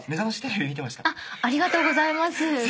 ありがとうございます。